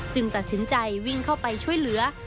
ตัดสินใจวิ่งเข้าไปช่วยเหลือ